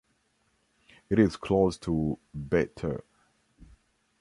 It is close to Bete.